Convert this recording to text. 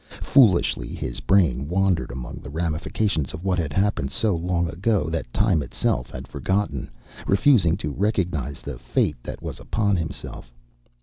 Foolishly his brain wandered among the ramifications of what had happened so long ago that time itself had forgotten, refusing to recognize the fate that was upon himself.